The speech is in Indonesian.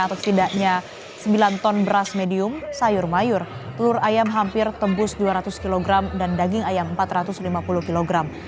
atau setidaknya sembilan ton beras medium sayur mayur telur ayam hampir tembus dua ratus kg dan daging ayam empat ratus lima puluh kg